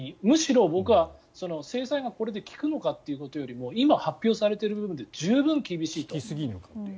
むしろ僕は制裁がこれで効くのかということよりも今、発表されている部分で十分厳しいと。